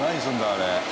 あれ。